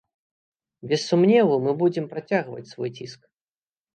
Без сумневу, мы будзем працягваць свой ціск.